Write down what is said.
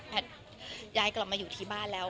ย้ายกลับมาอยู่ที่บ้านแล้ว